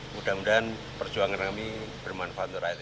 mudah mudahan perjuangan kami bermanfaat untuk rakyat